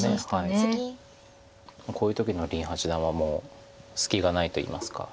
こういう時の林八段はもう隙がないといいますか。